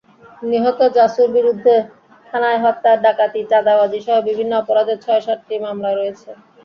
নিহত জাসুর বিরুদ্ধে থানায় হত্যা, ডাকাতি, চাঁদাবাজিসহ বিভিন্ন অপরাধের ছয়-সাতটি মামলা রয়েছে।